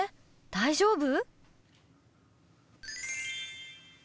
大丈夫？